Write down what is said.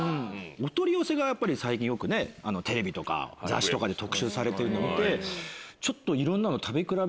お取り寄せがやっぱり最近よくテレビとか雑誌とかで特集されてるの見てちょっと。